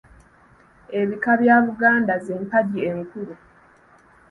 Ebika bya Buganda z’empagi enkulu.